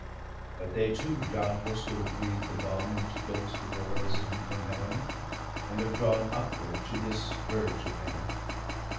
But they too, doubtless, will have breathed the balm Which floats before a visitant from Heaven, And have drawn upward to this verge of Hell.'